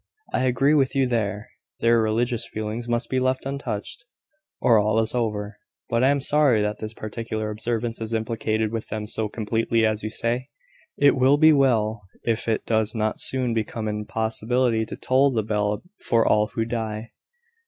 "I agree with you there. Their religious feelings must be left untouched, or all is over; but I am sorry that this particular observance is implicated with them so completely as you say. It will be well if it does not soon become an impossibility to toll the bell for all who die."